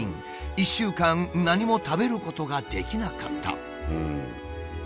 １週間何も食べることができなかった。